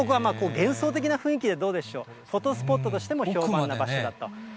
幻想的な雰囲気でどうでしょう、フォトスポットとしても人気の場所だと。